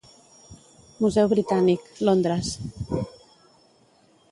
Museu Britànic, Londres.